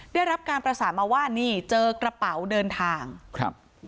ได้รับการประสานมาว่านี่เจอกระเป๋าเดินทางครับ